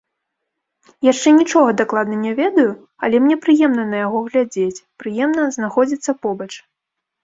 Яшчэ нічога дакладна не ведаю, але мне прыемна на яго глядзець, прыемна знаходзіцца побач.